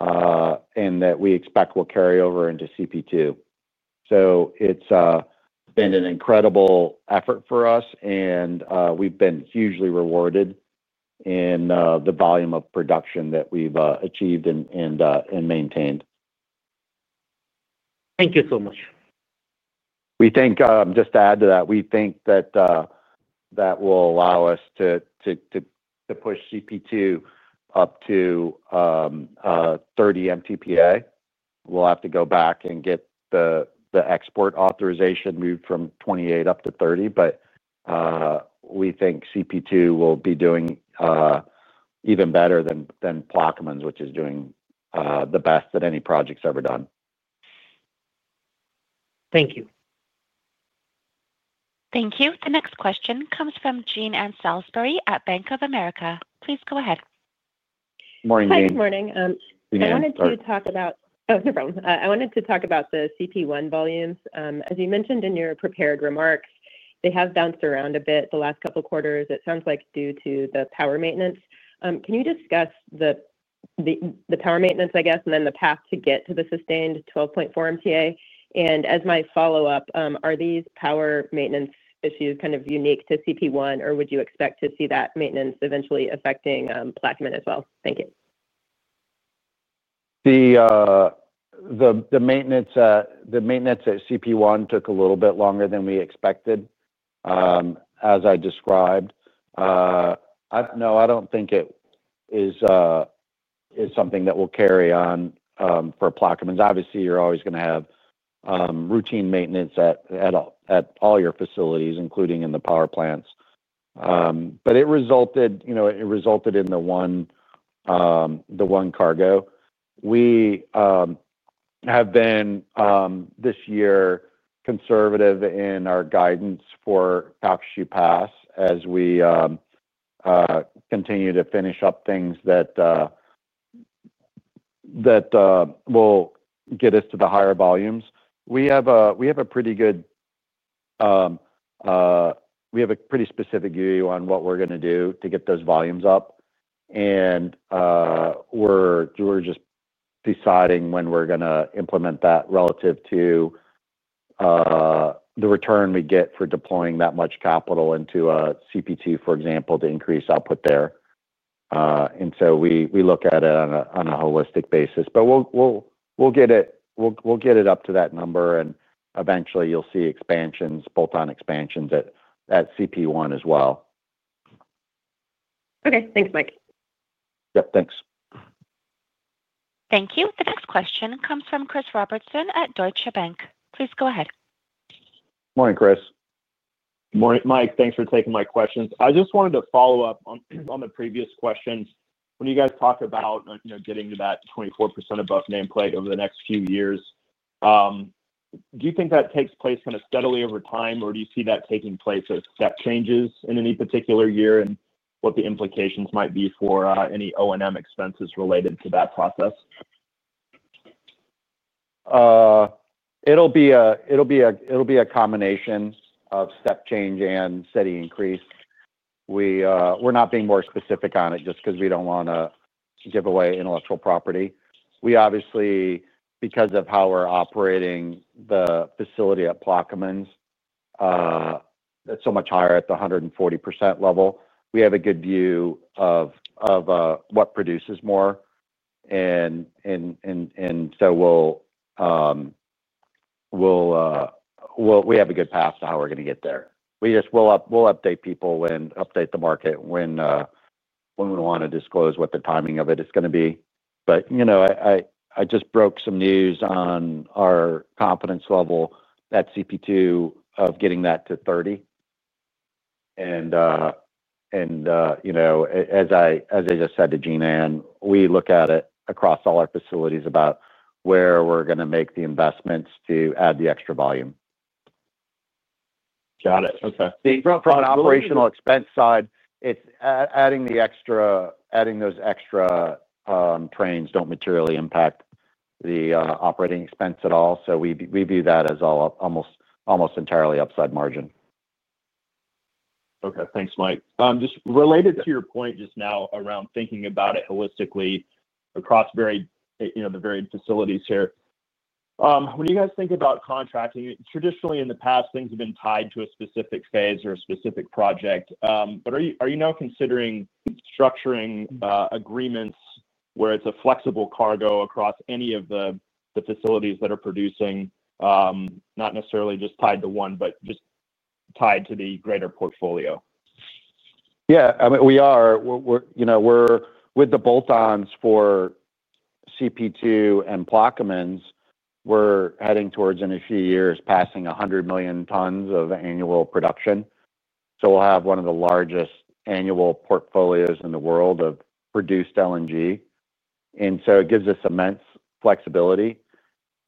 and that we expect will carry over into CP2. It has been an incredible effort for us, and we've been hugely rewarded in the volume of production that we've achieved and maintained. Thank you so much. Just to add to that, we think that that will allow us to push CP2 up to 30 MTPA. W'll have to go back and get the export authorization moved from 28 up to 30, but we think CP2 will be doing even better than Plaquemines, which is doing the best that any project's ever done. Thank you. Thank you. The next question comes from Jean Ann Salisbury at Bank of America. Please go ahead. Good morning, Jean. Good morning. I wanted to talk about, oh, no problem. I wanted to talk about the CP1 volumes. As you mentioned in your prepared remarks, they have bounced around a bit the last couple of quarters, it sounds like, due to the power maintenance. Can you discuss the power maintenance, I guess, and then the path to get to the sustained 12.4 MTPA? And as my follow-up, are these power maintenance issues kind of unique to CP1, or would you expect to see that maintenance eventually affecting Plaquemines as well? Thank you. The maintenance at CP1 took a little bit longer than we expected, as I described. No, I do not think it is something that will carry on for Plaquemines. Obviously, you are always going to have routine maintenance at all your facilities, including in the power plants. It resulted in the one cargo. We have been this year conservative in our guidance for Calcasieu Pass as we continue to finish up things that will get us to the higher volumes. We have a pretty good—we have a pretty specific view on what we are going to do to get those volumes up. We are just deciding when we are going to implement that relative to the return we get for deploying that much capital into a CP2, for example, to increase output there. We look at it on a holistic basis. We'll get it up to that number, and eventually, you'll see expansions, bolt-on expansions at CP1 as well. Okay. Thanks, Mike. Yep. Thanks. Thank you. The next question comes from Chris Robertson at Deutsche Bank. Please go ahead. Morning, Chris. Morning, Mike. Thanks for taking my questions. I just wanted to follow up on the previous questions. When you guys talk about getting to that 24% above nameplate over the next few years, do you think that takes place kind of steadily over time, or do you see that taking place as step changes in any particular year and what the implications might be for any O&M expenses related to that process? It'll be a combination of step change and steady increase. We're not being more specific on it just because we don't want to give away intellectual property. We obviously, because of how we're operating the facility at Plaquemines, that's so much higher at the 140% level, we have a good view of what produces more. We have a good path to how we're going to get there. We'll update people and update the market when we want to disclose what the timing of it is going to be. I just broke some news on our confidence level at CP2 of getting that to 30. As I just said to Jean Anne, we look at it across all our facilities about where we're going to make the investments to add the extra volume. Got it. Okay. From an operational expense side, adding those extra trains does not materially impact the operating expense at all. We view that as almost entirely upside margin. Okay. Thanks, Mike. Just related to your point just now around thinking about it holistically across the varied facilities here, when you guys think about contracting, traditionally in the past, things have been tied to a specific phase or a specific project. Are you now considering structuring agreements where it's a flexible cargo across any of the facilities that are producing, not necessarily just tied to one, but just tied to the greater portfolio? Yeah. I mean, we are. With the bolt-ons for CP2 and Plaquemines, we're heading towards in a few years passing 100 million tons of annual production. We will have one of the largest annual portfolios in the world of produced LNG. It gives us immense flexibility.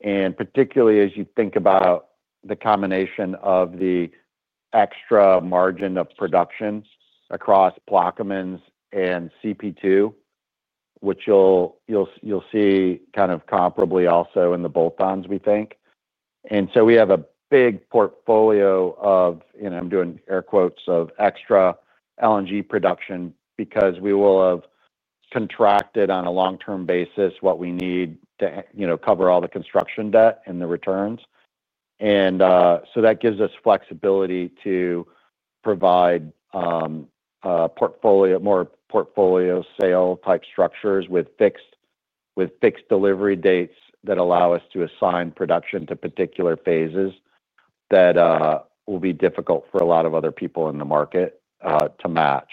Particularly as you think about the combination of the extra margin of production across Plaquemines and CP2, which you will see kind of comparably also in the bolt-ons, we think. We have a big portfolio of—and I am doing air quotes—of extra LNG production because we will have contracted on a long-term basis what we need to cover all the construction debt and the returns. That gives us flexibility to provide more portfolio sale-type structures with fixed delivery dates that allow us to assign production to particular phases that will be difficult for a lot of other people in the market to match.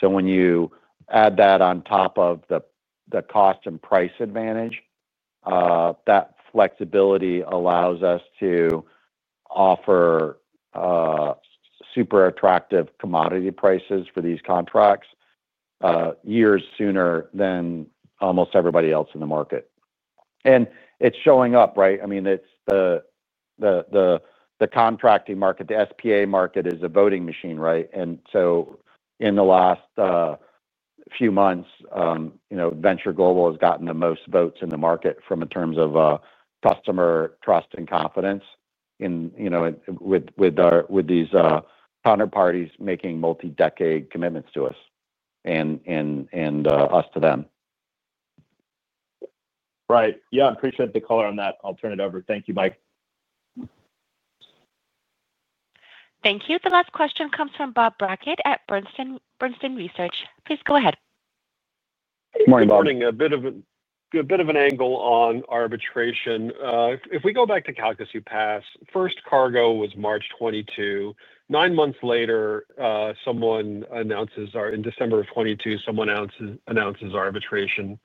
When you add that on top of the cost and price advantage, that flexibility allows us to offer super attractive commodity prices for these contracts years sooner than almost everybody else in the market. It is showing up, right? I mean, it's the contracting market. The SPA market is a voting machine, right? And so in the last few months, Venture Global has gotten the most votes in the market from terms of customer trust and confidence with these counterparties making multi-decade commitments to us and us to them. Right. Yeah. I appreciate the color on that. I'll turn it over. Thank you, Mike. Thank you. The last question comes from Bob Brackett at Bernstein Research. Please go ahead. Morning, Bob. I'm reporting a bit of an angle on arbitration. If we go back to Calcasieu Pass, first cargo was March 2022. Nine months later, someone announces—in December of 2022, someone announces arbitration.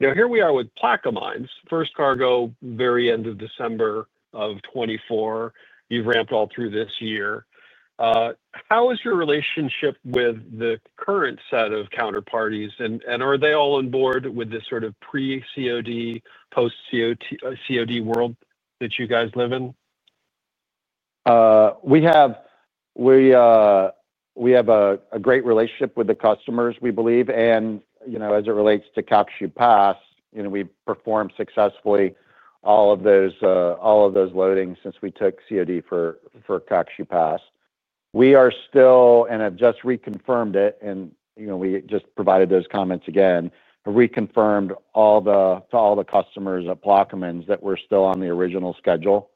Now, here we are with Plaquemines. First cargo, very end of December of 2024. You've ramped all through this year. How is your relationship with the current set of counterparties? Are they all on board with this sort of pre-COD, post-COD world that you guys live in? We have a great relationship with the customers, we believe. As it relates to Calcasieu Pass, we have performed successfully all of those loadings since we took COD for Calcasieu Pass. We are still—I have just reconfirmed it, and we just provided those comments again—reconfirmed to all the customers at Plaquemines that we are still on the original schedule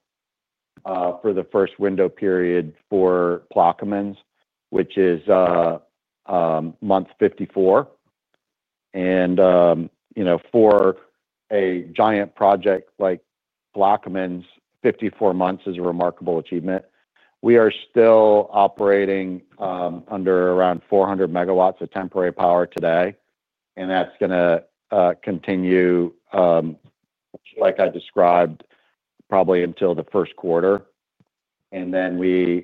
for the first window period for Plaquemines, which is month 54. For a giant project like Plaquemines, 54 months is a remarkable achievement. We are still operating under around 400 MW of temporary power today. That is going to continue, like I described, probably until the first quarter. We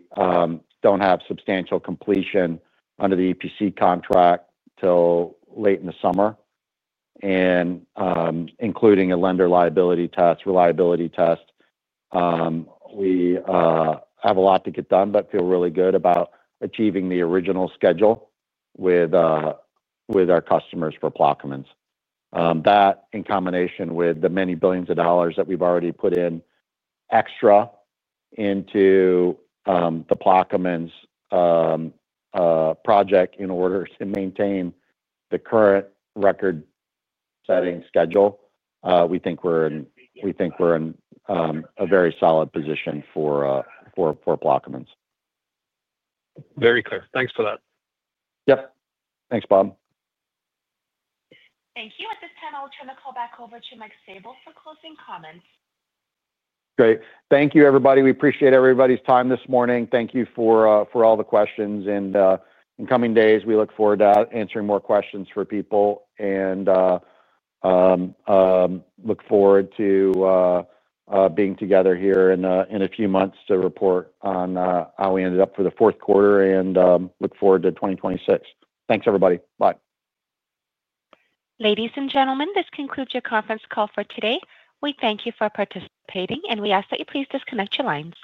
do not have substantial completion under the EPC contract until late in the summer. Including a lender liability test, reliability test, we have a lot to get done, but feel really good about achieving the original schedule with our customers for Plaquemines. That, in combination with the many billions of dollars that we've already put in extra into the Plaquemines project in order to maintain the current record-setting schedule, we think we're in a very solid position for Plaquemines. Very clear. Thanks for that. Yep. Thanks, Bob. Thank you. At this time, I'll turn the call back over to Mike Sabel for closing comments. Great. Thank you, everybody. We appreciate everybody's time this morning. Thank you for all the questions. In coming days, we look forward to answering more questions for people and look forward to being together here in a few months to report on how we ended up for the fourth quarter and look forward to 2026. Thanks, everybody. Bye. Ladies and gentlemen, this concludes your conference call for today. We thank you for participating, and we ask that you please disconnect your lines.